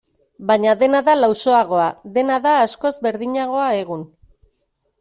Baina dena da lausoagoa, dena da askoz berdinagoa egun.